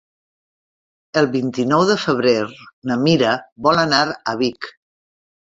El vint-i-nou de febrer na Mira vol anar a Vic.